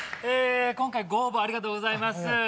今回ご応募ありがとうございます。